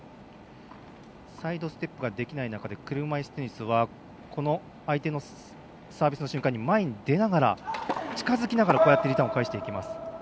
サイドステップができない中で車いすテニスは相手のサービスの瞬間に前に出ながら、近づきながらリターンを返していきます。